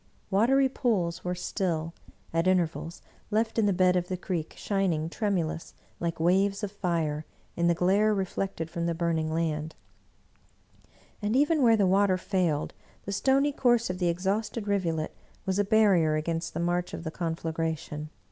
Watery pools were still, at intervals, left in the bed of the creek, shining tremulous, like waves of fire, in the glare reflected from the burning land; and even where the water failed, the stony course of the ex hausted rivulet was a barrier against the march of the con flagration.